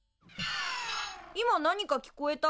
今何か聞こえた？